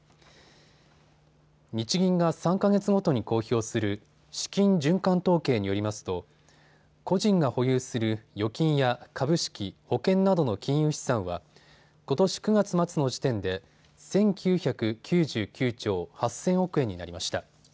日銀が３か月ごとに公表する資金循環統計によりますと個人が保有する預金や株式、保険などの金融資産はことし９月末の時点で１９９９兆８０００億円になりました。